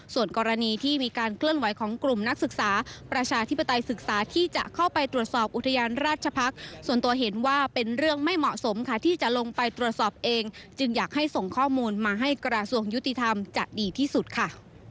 ส่วนกรณีที่มีการเคลื่อนไหวของกลุ่มนักศึกษาประชาธิปไตยศึกษาที่จะเข้าไปตรวจสอบอุทยานราชพักษ์ส่วนตัวเห็นว่าเป็นเรื่องไม่เหมาะสมค่ะที่จะลงไปตรวจสอบเองจึงอยากให้ส่งข้อมูลมาให้กระทรวงยุติธรรมจะดีที่สุดค่ะ